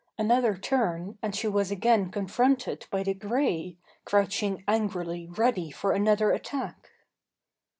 Another turn, and she was again confronted by the grey, crouching angrily ready for another attack.